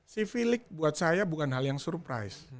si v lig buat saya bukan hal yang surprise